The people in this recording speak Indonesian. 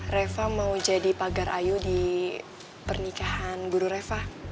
reva mau jadi pagar ayu di pernikahan guru reva